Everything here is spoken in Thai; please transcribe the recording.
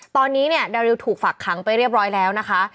ตอนนี้เนี่ยดาริวถูกฝักขังไปเรียบร้อยแล้วนะคะ